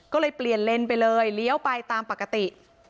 ก็เลยเปลี่ยนเลนไปเลยเลี้ยวไปตามปกติ